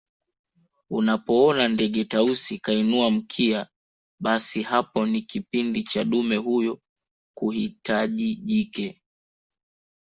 Unapoona ndege Tausi kainua mkia basi hapo ni kipindi cha dume huyo kuhitaji jike